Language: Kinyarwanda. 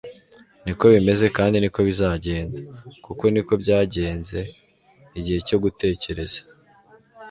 niko bimeze, kandi niko bizagenda, kuko niko byagenze, igihe cyo gutekereza